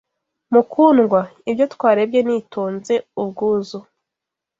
Mukundwa! ibyo twarebye nitonze ubwuzu